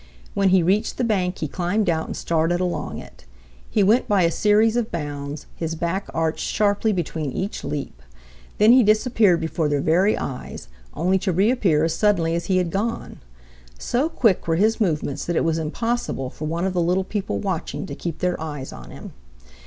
When he reached the bank he climbed out and started along it. He went by a series of bounds, his back arched sharply between each leap. Then he disappeared before their very eyes, only to reappear as suddenly as he had gone. So quick were his movements that it was impossible for one of the little people watching to keep their eyes on him.